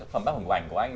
phẩm bác hồng hoàng của anh